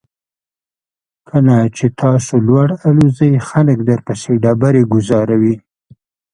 کله چې تاسو لوړ الوځئ خلک درپسې ډبرې ګوزاروي.